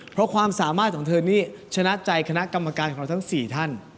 เพราะความสามารถของเธอนี่ชนะใจคณะกรรมการของเราทั้ง๔ท่าน